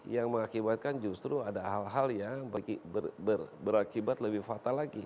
yang mengakibatkan justru ada hal hal yang berakibat lebih fatal lagi